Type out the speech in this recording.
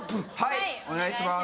はいお願いします。